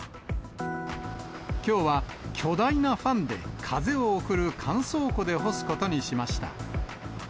きょうは巨大なファンで風を送る乾燥庫で干すことにしました。